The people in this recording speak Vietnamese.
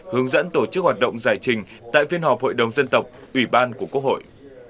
hướng dẫn tổ chức hoạt động giải trình tại phiên họp hội đồng dân tộc ủy ban của quốc hội